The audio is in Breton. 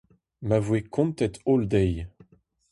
Ma voe kontet holl dezhi.